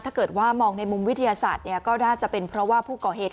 ถ้าเกิดว่ามองในมุมวิทยาศาสตร์ก็น่าจะเป็นเพราะว่าผู้ก่อเหตุ